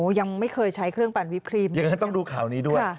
ยังไม่เคยใช้เครื่องปั่นวิปครีบอย่างนั้นต้องดูข่าวนี้ด้วย